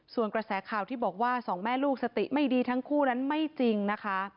ส่วนกระแสข่าวที่บอกว่าสองแม่ลูกสติไม่ดีทั้งคู่นั้นไม่จริงนะคะ